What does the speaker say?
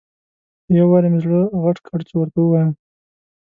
یو وارې مې زړه غټ کړ چې ورته ووایم.